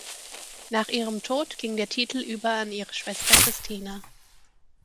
Nach ihrem Tod ging der Titel über an ihre Schwester Christina.